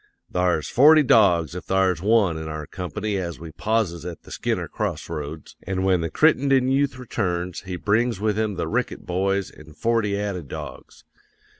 "'Thar's forty dogs if thar's one in our company as we pauses at the Skinner cross roads. An' when the Crittenden yooth returns, he brings with him the Rickett boys an' forty added dogs.